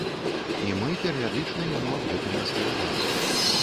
І мы перыядычна яму аб гэтым распавядаем.